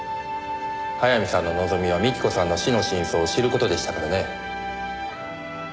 早見さんの望みは幹子さんの死の真相を知る事でしたからね。